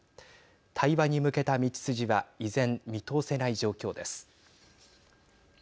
対話に向けた道筋は依然、見通せない状況です。